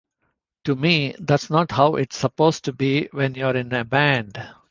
To me that's not how it's supposed to be when you're in a band.